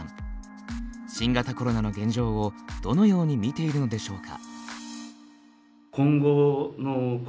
新型コロナの現状をどのように見ているのでしょうか。